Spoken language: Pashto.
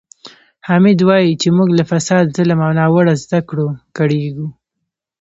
حامد وایي چې موږ له فساد، ظلم او ناوړه زده کړو کړېږو.